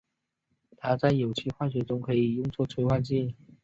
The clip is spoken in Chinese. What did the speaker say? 它在有机化学中可以用作催化剂。